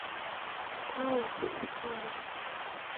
— Тау, — мане.